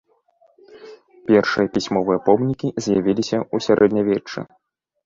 Першыя пісьмовыя помнікі з'явіліся ў сярэднявеччы.